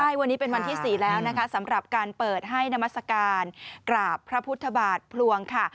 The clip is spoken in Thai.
ใช่วันนี้เป็นวันที่๔แล้วนะคะสำหรับการเปิดให้นามัศกาลกราบพระพุทธบาทพลวงค่ะ